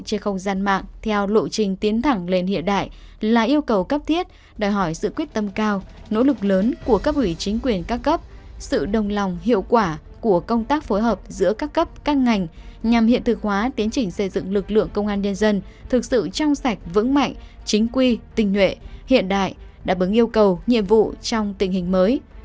trên không gian mạng theo lộ trình tiến thẳng lên hiện đại là yêu cầu cấp thiết đòi hỏi sự quyết tâm cao nỗ lực lớn của các ủy chính quyền các cấp sự đồng lòng hiệu quả của công tác phối hợp giữa các cấp các ngành nhằm hiện thực hóa tiến trình xây dựng lực lượng công an nhân dân thực sự trong sạch vững mạnh chính quy tinh nguyện hiện đại đảm bảo yêu cầu nhiệm vụ trong tình hình mới